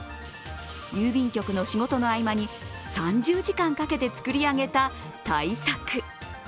郵便局の仕事の合間に３０時間かけて作り上げた大作。